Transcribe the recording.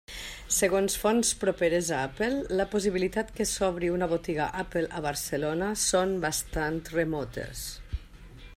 Segons fonts properes a Apple la possibilitat que s'obri una botiga Apple a Barcelona són bastant remotes.